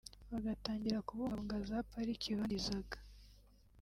bagatangira kubungabunga za pariki bangizaga